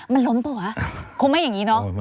มันล้มเปล่าวะคงไม่อย่างนี้เนอะ